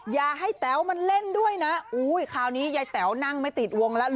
อย่าให้แต๋วมาเล่นด้วยนะอุ้ยคราวนี้ยายแต๋วนั่งไม่ติดวงแล้ว